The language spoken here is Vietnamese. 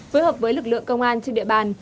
phối hợp với lực lượng công an trên địa bàn